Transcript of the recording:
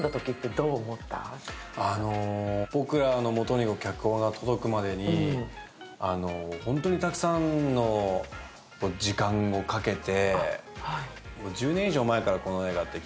僕のもとに脚本が届くまでに本当にたくさんの時間をかけて。